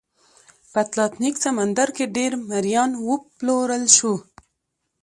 په اتلانتیک سمندر کې ډېر مریان وپلورل شول.